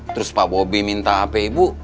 terus pak bobi minta hp ibu